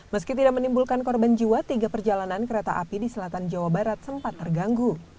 meski tidak menimbulkan korban jiwa tiga perjalanan kereta api di selatan jawa barat sempat terganggu